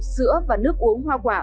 sữa và nước uống hoa quả